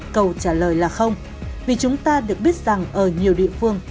câu trả lời là không vì chúng ta được biết rằng ở nhiều địa phương